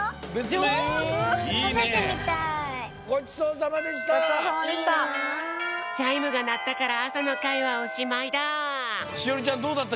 チャイムがなったからあさのかいはおしまいだ。